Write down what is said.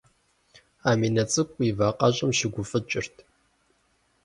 Аминэ цӏыкӏу и вакъэщӏэм щыгуфӏыкӏырт.